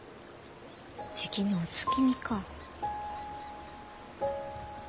じきにお月見か。